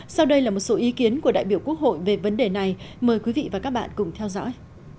sau đây là một số ý kiến của đại biểu quốc hội về vấn đề này mời quý vị và các bạn cùng theo dõi